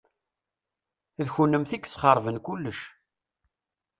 D kennemti i yesxeṛben kullec.